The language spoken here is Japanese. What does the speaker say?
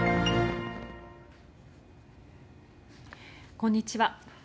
こんにちは。